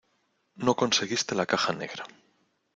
no conseguiste la caja negra.